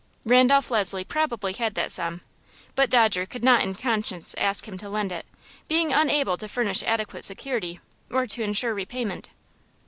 Randolph Leslie probably had that sum, but Dodger could not in conscience ask him to lend it, being unable to furnish adequate security, or to insure repayment.